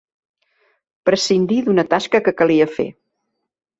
Prescindir d'una tasca que calia fer.